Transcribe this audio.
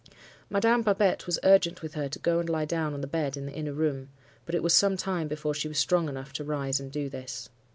Madame Babette was urgent with her to go and lie down on the bed in the inner room; but it was some time before she was strong enough to rise and do this.